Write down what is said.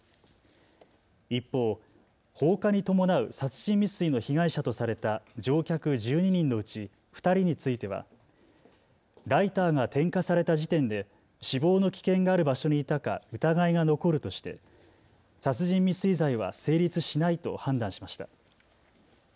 一方、放火に伴う殺人未遂の被害者とされた乗客１２人のうち２人についてはライターが点火された時点で死亡の危険がある場所にいたか疑いが残るとして殺人未遂罪は成立しないと判断しました。